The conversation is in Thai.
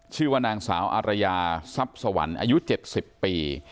ชื่อว่านางสาวอารยาทรัพย์สวรรค์อายุ๗๐ปี